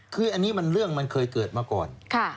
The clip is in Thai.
คืออันนี้มันเรื่องมันเคยเกิดมาก่อน